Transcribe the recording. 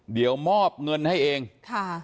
เดี๋ยวมอบเงินให้เองค่ะ